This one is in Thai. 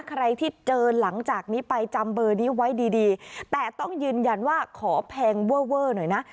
ใครที่เจอหลังจากนี้ไปจำเบอร์นี้ไว้ดีดีแต่ต้องยืนยันว่าขอแพงเวอร์เวอร์หน่อยนะ